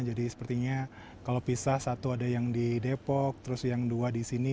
jadi sepertinya kalau pisah satu ada yang di depok terus yang dua di sini